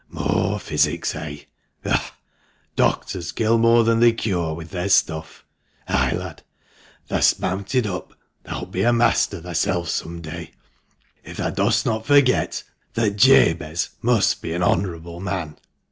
"More physic, eh? Ugh! doctors kill more than they cure with their stuff! Ay, lad, thah'st mounted up, thou'lt be a master thyself some day, if thou dost not forget that Jabez must be an honourable man